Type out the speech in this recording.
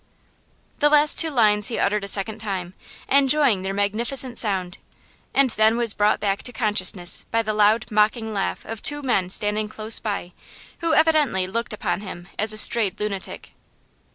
The last two lines he uttered a second time, enjoying their magnificent sound, and then was brought back to consciousness by the loud mocking laugh of two men standing close by, who evidently looked upon him as a strayed lunatic.